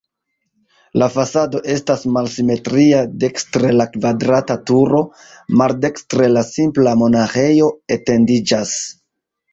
La fasado estas malsimetria, dekstre la kvadrata turo, maldekstre la simpla monaĥejo etendiĝas.